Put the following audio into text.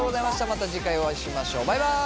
また次回お会いしましょうバイバイ。